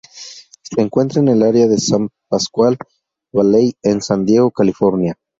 Se encuentra en el área de San Pasqual Valley en San Diego, California.